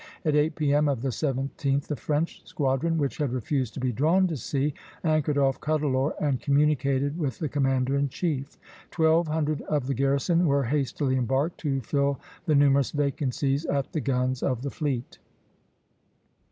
At eight P.M. of the 17th the French squadron, which had refused to be drawn to sea, anchored off Cuddalore and communicated with the commander in chief. Twelve hundred of the garrison were hastily embarked to fill the numerous vacancies at the guns of the fleet.